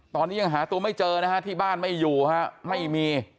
ตัวไม่เจอนะฮะที่บ้านไม่อยู่ฮะไม่มี